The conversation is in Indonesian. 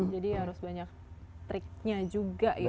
jadi harus banyak triknya juga ya